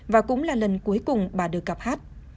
và cũng là lần cuối cùng bà được gặp hát